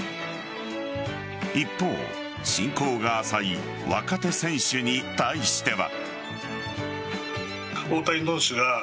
一方、親交が浅い若手選手に対しては。